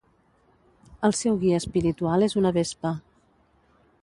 El seu guia espiritual és una vespa.